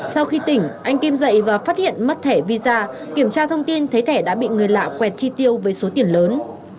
sau khi tỉnh anh kim dậy và phát hiện mất thẻ visa kiểm tra thông tin thấy thẻ đã bị người lạ quẹt chi tiêu với số tiền lớn